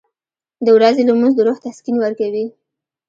• د ورځې لمونځ د روح تسکین ورکوي.